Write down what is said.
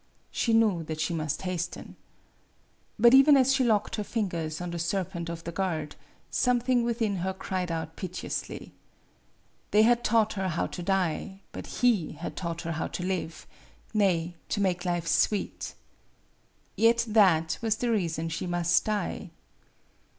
She knew that she must hasten. But even as she locked her fingers on the serpent of the guard, something within her cried out piteously. They had taught her how to die, but he had taught her how to live nay, to make life sweet. Yet that was the reason she must die.